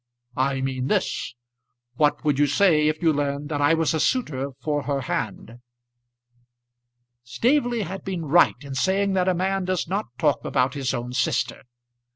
"I mean this What would you say if you learned that I was a suitor for her hand?" Staveley had been right in saying that a man does not talk about his own sister.